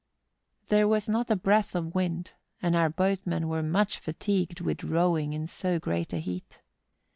There was not a breath of wind, and our boat¬ men were much fatigued with rowing in so great a heat.